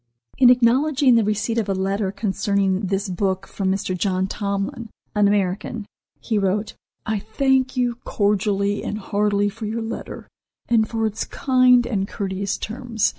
In acknowledging the receipt of a letter concerning this book from Mr. John Tomlin, an American, he wrote: "I thank you cordially and heartily for your letter, and for its kind and courteous terms.